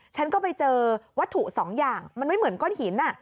ฉันก็ไปเจอวัตถุสองอย่างมันไม่เหมือนก้อนหิน